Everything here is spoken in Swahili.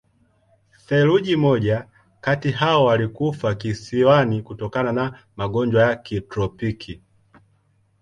Theluji moja kati hao walikufa kisiwani kutokana na magonjwa ya kitropiki.